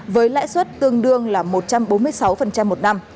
với lãi suất tương đương là một trăm bốn mươi sáu một năm